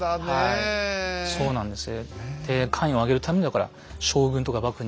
はいそうなんです。